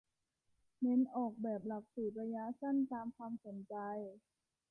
เน้นออกแบบหลักสูตรระยะสั้นตามความสนใจ